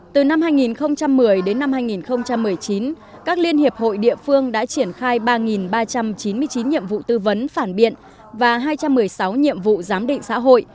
từ năm hai nghìn một mươi đến năm hai nghìn một mươi chín các liên hiệp hội địa phương đã triển khai ba ba trăm chín mươi chín nhiệm vụ tư vấn phản biện và hai trăm một mươi sáu nhiệm vụ giám định xã hội